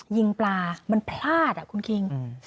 ยิงปลามันพลาดอ่ะคุณคิง